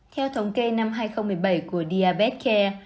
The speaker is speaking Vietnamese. theo thống kê năm hai nghìn một mươi bảy của diabet care